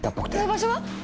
場所は？